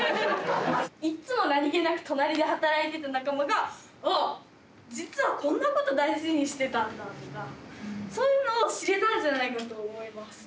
いっつも何気なく隣で働いてた仲間があっ実はこんなこと大事にしてたんだとかそういうのを知れたんじゃないかと思います。